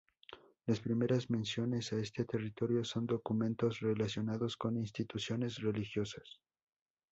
Las primeras menciones a este territorio son documentos relacionados con instituciones religiosas.